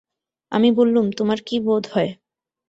আমি বললুম, তোমার কী বোধ হয়?